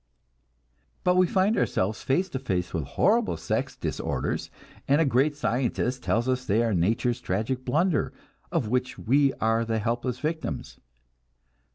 But we find ourselves face to face with horrible sex disorders, and a great scientist tells us they are nature's tragic blunder, of which we are the helpless victims.